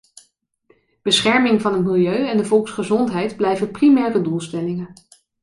Bescherming van het milieu en de volksgezondheid blijven primaire doelstellingen.